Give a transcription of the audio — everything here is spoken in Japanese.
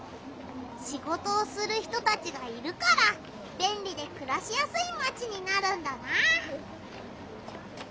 シゴトをする人たちがいるからべんりでくらしやすいマチになるんだな！